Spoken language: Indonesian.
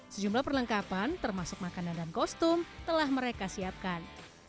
sejumlah perlengkapan termasuk makanan dan kostum telah mereka siapkan